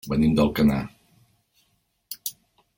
Venim d'Alcanar.